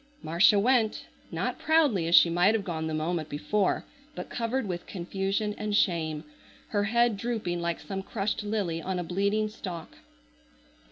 Marcia went. Not proudly as she might have gone the moment before, but covered with confusion and shame, her head drooping like some crushed lily on a bleeding stalk.